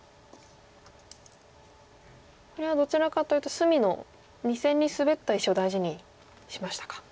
これはどちらかというと隅の２線にスベった石を大事にしましたか。